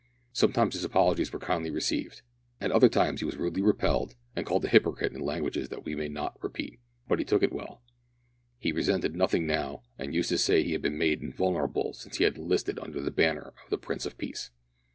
Sometimes his apologies were kindly received, at other times he was rudely repelled and called a hypocrite in language that we may not repeat, but he took it well; he resented nothing now, and used to say he had been made invulnerable since he had enlisted under the banner of the Prince of Peace.